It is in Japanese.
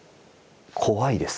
怖いです。